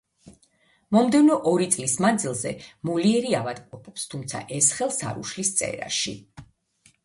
მომდევნო ორი წლის მანძილზე მოლიერი ავადმყოფობს, თუმცა ეს ხელს არ უშლის წერაში.